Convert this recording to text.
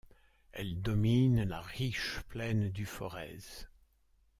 Elle domine la riche plaine du Forez.